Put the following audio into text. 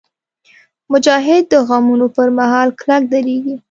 مجاهد د غمونو پر مهال کلک درېږي.